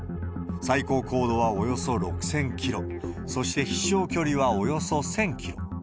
最高高度はおよそ６０００キロ、そして飛しょう距離はおよそ１０００キロ。